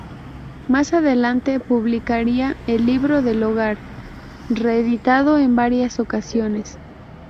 Más adelante, publicaría "El libro del hogar" reeditado en varias ocasiones.